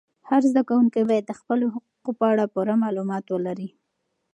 هر زده کوونکی باید د خپلو حقوقو په اړه پوره معلومات ولري.